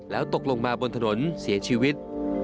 แล้วตกลงมาบนถนนเสียชีวิต